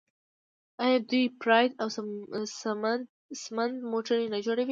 آیا دوی پراید او سمند موټرې نه جوړوي؟